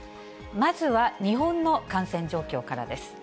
まずは日本の感染状況からです。